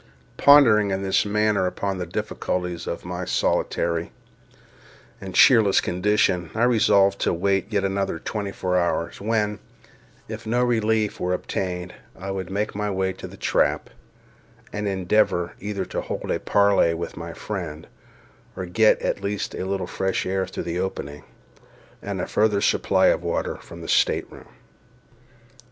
Pondering in this manner upon the difficulties of my solitary and cheerless condition, I resolved to wait yet another twenty four hours, when, if no relief were obtained, I would make my way to the trap, and endeavour either to hold a parley with my friend, or get at least a little fresh air through the opening, and a further supply of water from the stateroom.